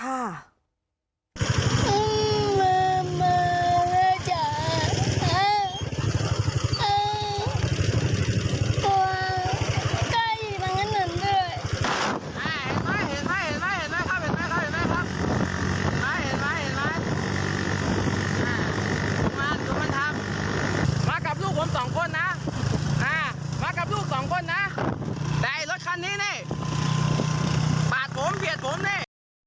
ปาดผมเบียดผมนี่